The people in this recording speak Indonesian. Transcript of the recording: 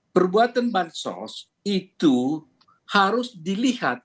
perbuatan bansos itu harus dilihat